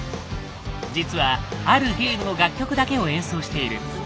実はあるゲームの楽曲だけを演奏している。